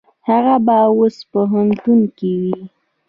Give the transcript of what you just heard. هغه به اوس پوهنتون کې وي.